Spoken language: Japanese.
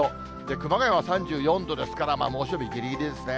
熊谷は３４度ですから、猛暑日ぎりぎりですね。